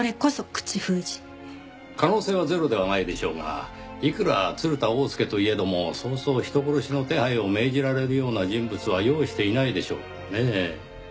可能性はゼロではないでしょうがいくら鶴田翁助といえどもそうそう人殺しの手配を命じられるような人物は擁していないでしょうからねぇ。